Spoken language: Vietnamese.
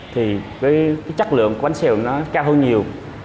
thì cái chất lượng của bánh xèo nó cao hơn nhiều